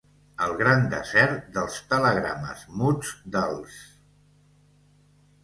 El gran desert dels telegrames muts dels